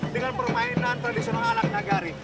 dengan permainan tradisional anak nagari